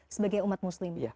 sebagai umat muslim